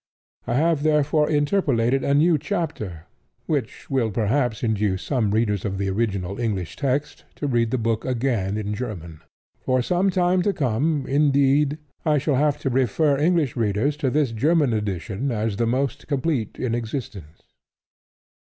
I have therefore interpolated a new chapter which will perhaps induce some readers of the original English text to read the book again in German. For some time to come, indeed, I shall have to refer English readers to this German edition as the most complete in existence.